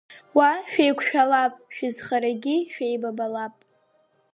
Уа шәеиқәшәалап шәызхарагьы шәеибабап.